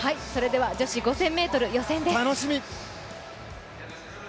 女子５０００ｍ予選です。